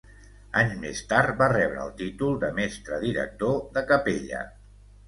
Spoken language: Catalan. Anys més tard va rebre el títol de mestre director de capella.